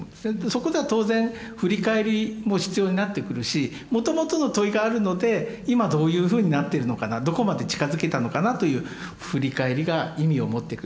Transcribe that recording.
そこでは当然振り返りも必要になってくるしもともとの問いがあるので今どういうふうになってるのかなどこまで近づけたのかなという振り返りが意味を持ってくる。